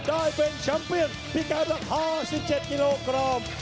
ได้เป็นชัมเปียนพิกัด๕๗กิโลกรัม